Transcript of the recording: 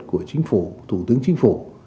của chính phủ thủ tướng chính phủ